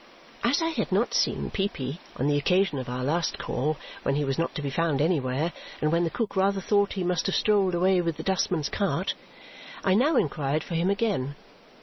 As I had not seen Peepy on the occasion of our last call (when he was not to be found anywhere, and when the cook rather thought he must have strolled away with the dustman's cart), I now inquired for him again.